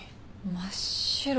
真っ白。